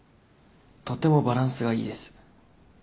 とってもバランスがいいです。